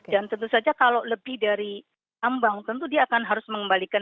tentu saja kalau lebih dari ambang tentu dia akan harus mengembalikan